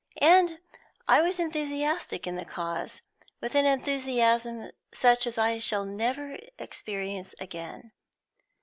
And I was enthusiastic in the cause, with an enthusiasm such as I shall never experience again.